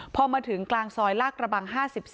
พอมาถึงกลางซอยลากระบัง๕๒